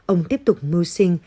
ông tiếp tục mưu sinh